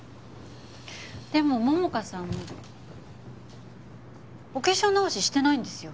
でも桃花さんお化粧直ししてないんですよ。